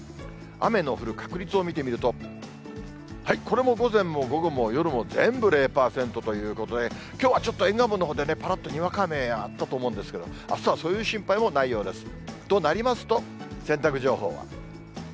雨の降る確率を見てみると、これも午前も午後も夜も全部０％ということで、きょうはちょっと沿岸部のほうでぱらっとにわか雨あったと思うんですけれども、あすはそういう心配もないようです。となりますと、洗濯情報は。